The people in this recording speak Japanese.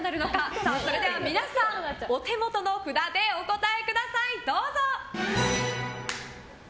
それでは、皆さんお手元の札でお答えください。